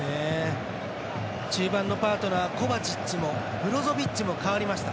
中盤のパートナーコバチッチ、ブロゾビッチも代わりました。